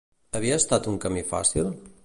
Havia estat un camí fàcil?